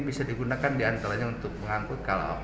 bisa digunakan diantaranya untuk mengangkut kalau